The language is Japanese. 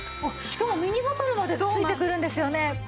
しかもミニボトルまで付いてくるんですよね？